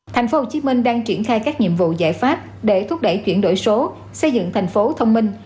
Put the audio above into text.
thành phố hồ chí minh đang triển khai các nhiệm vụ giải pháp để thúc đẩy chuyển đổi số xây dựng thành phố thông minh